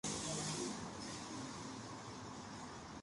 A partir de este año tuvo destinos en tierra.